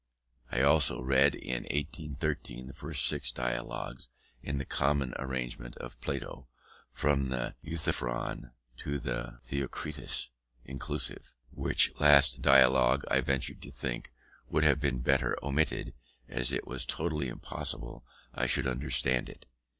I also read, in 1813, the first six dialogues (in the common arrangement) of Plato, from the Euthyphron to the Theoctetus inclusive: which last dialogue, I venture to think, would have been better omitted, as it was totally impossible I should understand it.